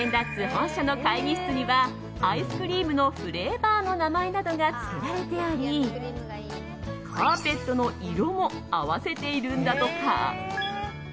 本社の会議室にはアイスクリームのフレーバーの名前などがつけられておりカーペットの色も合わせているんだとか。